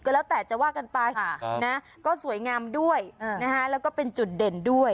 แล้วแต่จะว่ากันไปนะก็สวยงามด้วยนะฮะแล้วก็เป็นจุดเด่นด้วย